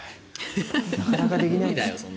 なかなかできないです。